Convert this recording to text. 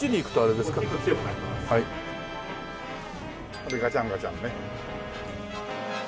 これガチャンガチャンね。